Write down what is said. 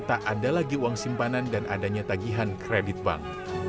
tak ada lagi uang simpanan dan adanya tagihan kredit bank